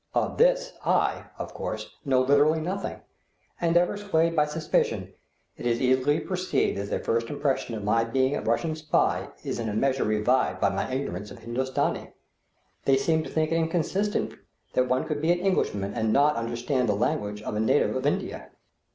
Of this I, of course, know literally nothing, and, ever swayed by suspicion, it is easily perceivable that their first impression of my being a Russian spy is in a measure revived by my ignorance of Hindostani. They seem to think it inconsistent that one could be an Englishman and not understand the language of a native of India.